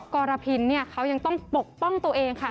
กรพินเขายังต้องปกป้องตัวเองค่ะ